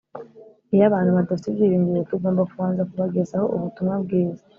Iyo abantu badafite ibyiringiro, tugomba kubanza kubagezaho Ubutumwa Bwiza